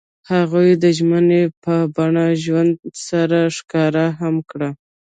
هغوی د ژمنې په بڼه ژوند سره ښکاره هم کړه.